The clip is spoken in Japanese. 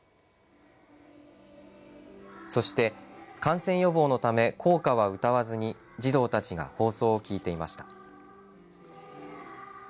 そして感染予防のため校歌は歌わずに児童たちが放送を聞いていました。